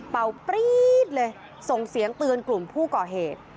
ปรี๊ดเลยส่งเสียงเตือนกลุ่มผู้ก่อเหตุ